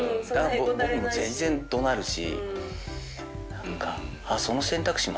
僕も全然怒鳴るし。